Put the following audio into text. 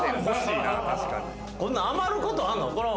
こんな余ることあるの？